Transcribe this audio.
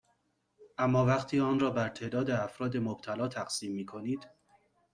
اما وقتی آن را بر تعداد افراد مبتلا تقسیم میکنید